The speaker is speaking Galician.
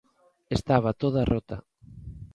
Estaba toda rota.